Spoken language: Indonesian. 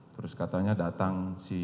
terus katanya datang si